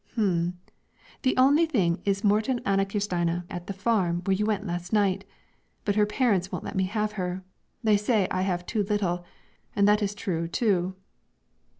'Hm! The only thing is Morten's Ane Kirstine at the farm where you went last night. But her parents won't let me have her; they say I have too little, and that is true too.'